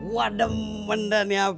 wah demen dah nih hp